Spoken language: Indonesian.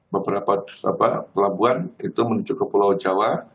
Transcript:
beberapa pelabuhan itu menuju ke pulau jawa